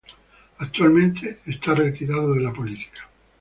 Actualmente está retirado de la política.